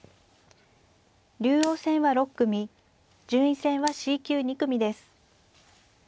竜王戦は６組順位戦はＣ級２組です。